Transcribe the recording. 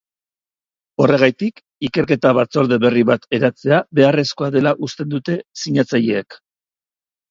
Horregatik, ikerketa batzorde berri bat eratzea beharrezkoa dela uste dute sinatzaileek.